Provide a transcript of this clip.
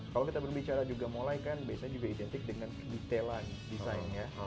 kalau kita berbicara juga mulai kan biasanya juga identik dengan detailan desainnya